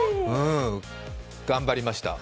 頑張りました。